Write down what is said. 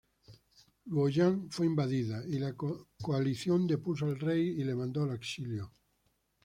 Luoyang fue invadida, y la coalición depuso al rey y le mandó al exilio.